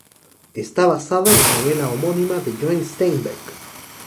Está basada en la novela homónima de John Steinbeck.